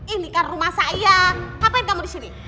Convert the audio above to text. ini kan rumah saya ngapain kamu disini